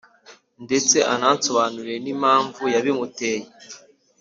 ndetse anansobanurira n’impamvu yabimuteye